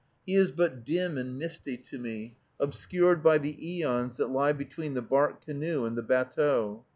He is but dim and misty to me, obscured by the æons that lie between the bark canoe and the batteau.